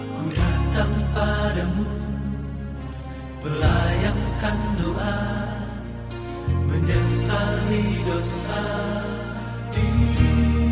ku datang padamu melayangkan doa menyesali dosa diri